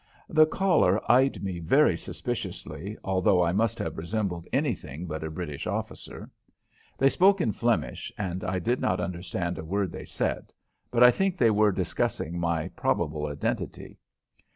The caller eyed me very suspiciously, although I must have resembled anything but a British officer. They spoke in Flemish and I did not understand a word they said, but I think they were discussing my probable identity.